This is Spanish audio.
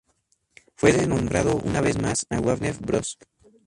Fue renombrado una vez más a Warner Bros.